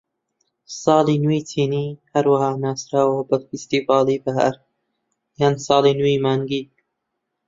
ساڵی نوێی چینی هەروەها ناسراوە بە فێستیڤاڵی بەهار یان ساڵی نوێی مانگی.